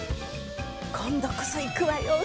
今度こそ行くわよ